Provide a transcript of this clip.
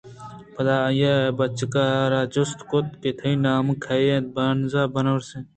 پدا آئی ءَبچک ءَ را جست کُت کہ تئی نام کئے اِنت؟ ہانز برانسوک